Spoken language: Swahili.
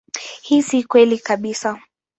Hii si kweli kabisa.